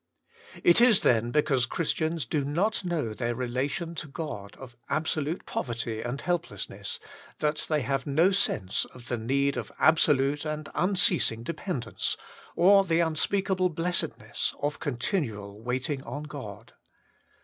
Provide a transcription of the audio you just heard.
It is, then, because Christians do not know their relation to God of absolute poverty and helplessness, that they have no sense of the need of absolute and unceasing dependence, or the unspeakable blessedness of continual wait ing on God.